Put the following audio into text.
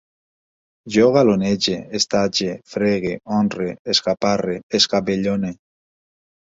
Jo galonege, estatge, fregue, honre, escaparre, escabellone